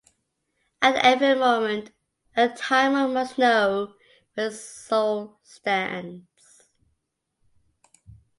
At every moment and time one must know where his soul stands.